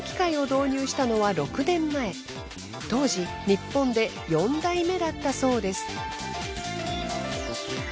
当時日本で４台目だったそうです。